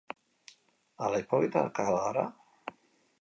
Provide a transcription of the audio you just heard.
Ala hipokritak al gara?